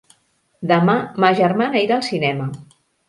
Demà ma germana irà al cinema.